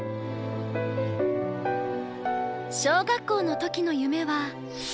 小学校の時の夢は。